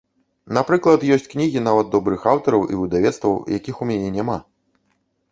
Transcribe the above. Напрыклад, ёсць кнігі, нават добрых аўтараў і выдавецтваў, якіх у мяне няма.